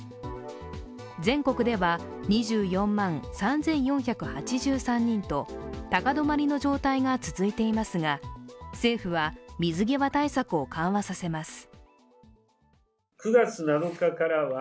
全国では２４万３４８３人と高止まりの状態が続いていますが、政府は、水際対策を緩和させます。